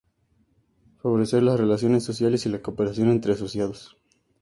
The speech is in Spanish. Favorecer las relaciones sociales y la cooperación entre asociados.